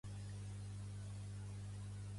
Aquest nou projecte es diu "Micah and His Friend".